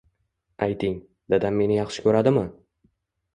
Ayting, dadam meni yaxshi ko’radimi?